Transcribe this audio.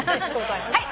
はい。